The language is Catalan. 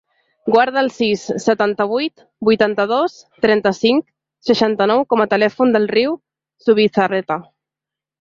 Guarda el sis, setanta-vuit, vuitanta-dos, trenta-cinc, seixanta-nou com a telèfon del Riu Zubizarreta.